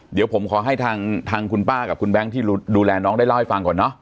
เดี๋ยวผมขอให้ทางคุณป้ากับคุณแบงค์ที่ดูแลน้องได้เล่าให้ฟังก่อนเนอะ